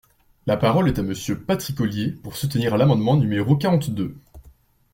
La parole est à Monsieur Patrick Ollier, pour soutenir l’amendement numéro quarante-deux.